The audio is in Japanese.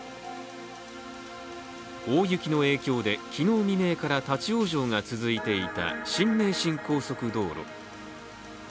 大雪の影響で昨日未明から立往生が続いていた新名神高速道路。